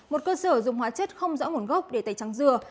một cơ sở dùng hóa chất không rõ nguồn gốc để tẩy trắng dừa